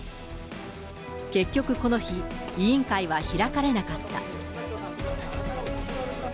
結局、この日、委員会は開かれなかった。